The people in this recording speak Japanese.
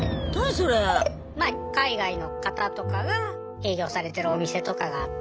海外の方とかが営業されてるお店とかがあって。